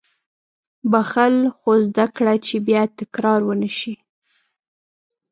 • بښل، خو زده کړه چې بیا تکرار ونه شي.